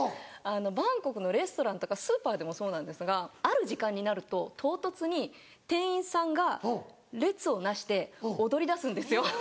バンコクのレストランとかスーパーでもそうなんですがある時間になると唐突に店員さんが列を成して踊り出すんですよ。